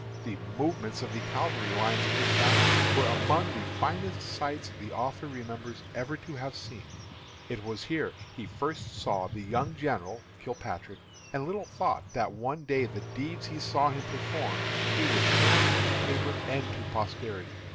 The movements of the cavalry lines in this battle were among the finest sights the author remembers ever to have seen. It was here he first saw the young general (Kilpatrick), and little thought that one day the deeds he saw him perform he would transmit to paper and to posterity.